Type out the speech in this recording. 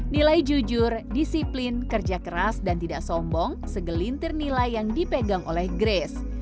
nilai jujur disiplin kerja keras dan tidak sombong segelintir nilai yang dipegang oleh grace